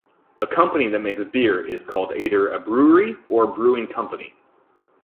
A company that makes beer is called either a brewery or a brewing company.